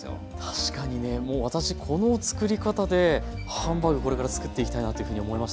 確かにねもう私この作り方でハンバーグこれから作っていきたいなというふうに思いましたね。